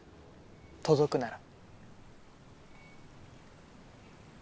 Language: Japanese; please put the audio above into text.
『届くなら』。